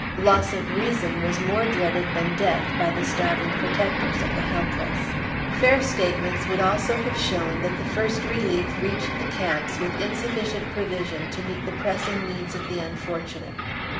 Loss of reason was more dreaded than death by the starving protectors of the helpless. Fair statements would also have shown that the First Relief reached the camps with insufficient provision to meet the pressing needs of the unfortunate.